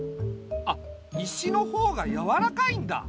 あ石の方がやわらかいんだ。